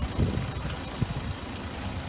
โปรดติดตามตอนต่อไป